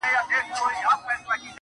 o کورنۍ له دننه ماته سوې ده,